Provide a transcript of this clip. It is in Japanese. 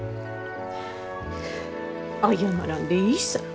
謝らんでいいさぁ。